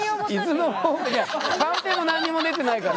カンペも何にも出てないから。